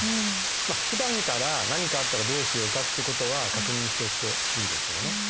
ふだんから何かあったらどうしようかってことは確認しておくといいですよね。